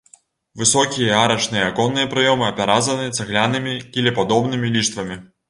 Высокія арачныя аконныя праёмы апяразаны цаглянымі кілепадобнымі ліштвамі.